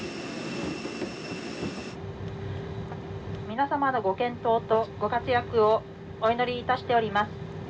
「皆様のご健闘とご活躍をお祈りいたしております。